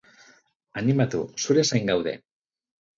Animatu, zure zain gaude!